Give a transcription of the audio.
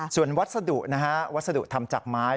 ส่วนวัสดุนะฮะวัสดุทำจากไม้